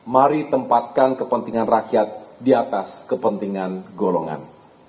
mari tempatkan kepentingan rakyat di atas kepentingan golongan